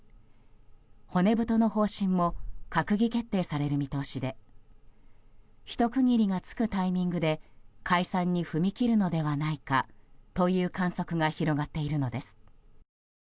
骨太の方針も閣議決定される見通しでひと区切りがつくタイミングで解散に踏み切るのではないかという観測が広がっているのです。